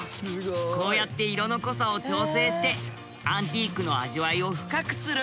こうやって色の濃さを調整してアンティークの味わいを深くするんだね。